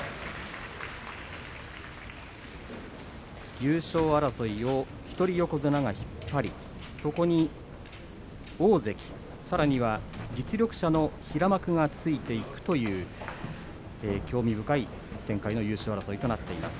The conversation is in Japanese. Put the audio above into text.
優勝争いを一人横綱が引っ張りそこに大関、さらには実力者の平幕がついていくという興味深い展開の優勝争いとなっています。